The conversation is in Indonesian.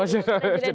kita juda dulu